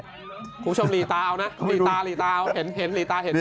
คุณผู้ชมรีตาเอานะรีตารีตารีตาเห็นรีตาเห็นอยู่